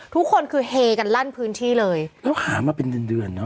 ทุกคนคือเฮกันลั่นพื้นที่เลยแล้วหามาเป็นเดือนเดือนเนอ